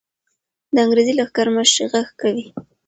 د انګریزي لښکر مشري غږ کوي.